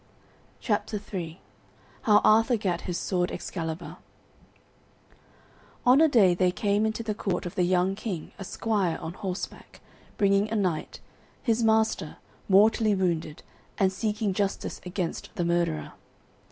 CHAPTER III HOW ARTHUR GAT HIS SWORD EXCALIBUR On a day there came into the court of the young King a squire on horseback, bringing a knight, his master, mortally wounded, and seeking justice against the murderer.